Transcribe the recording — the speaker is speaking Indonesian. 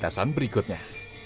dan pemerintah berikutnya